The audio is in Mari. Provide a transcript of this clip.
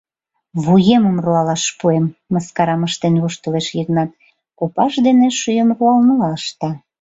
— Вуемым руалаш пуэм! — мыскарам ыштен воштылеш Йыгнат, копаж дене шӱйым руалмыла ышта.